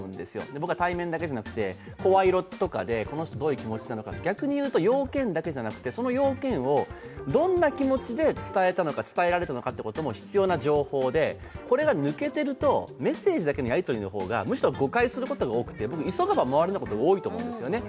僕は対面だけじゃなくて、声色とかでこの人、どういう気持ちなのか、逆にいうと用件だけでなくて、その用件をどんな気持ちで伝えたのか、伝えられたのかというのも必要な情報で、これが抜けていると、メッセージだけのやりとりの方がむしろ誤解することが多くて、急がば回れのことが多いと思うんですよね。